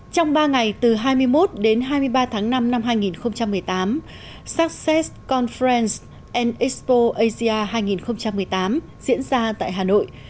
trong ba ngày từ hai mươi một đến hai mươi ba tháng năm năm hai nghìn một mươi tám success confrance expo asia hai nghìn một mươi tám diễn ra tại hà nội